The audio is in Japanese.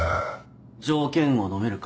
条件をのめるか？